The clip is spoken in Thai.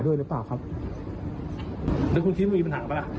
โดยเป้าครับเงินทรียมมีปันหาป่ะ